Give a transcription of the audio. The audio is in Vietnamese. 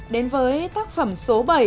đến với tác phẩm số bảy